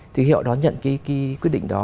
thì họ đón nhận cái quyết định đó